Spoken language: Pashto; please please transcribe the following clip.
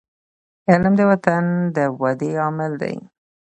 علم د وطن د ودي عامل دی.